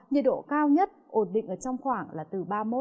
nhiệt độ cao nhất ổn định ở trong khoảng là từ ba mươi một ba mươi bốn độ